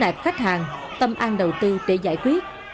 đơn khiếu nại khách hàng tâm an đầu tư để giải quyết